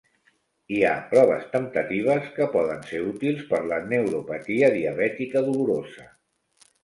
Hi ha proves temptatives que poden ser útils per la neuropatia diabètica dolorosa.